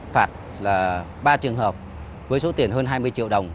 phạt là ba trường hợp với số tiền hơn hai mươi triệu đồng